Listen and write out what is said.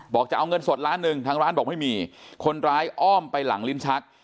บอกจะเอาเงินสดล้านหนึ่งทางร้านบอกไม่มีคนร้ายอ้อมไปหลังลิ้นชัก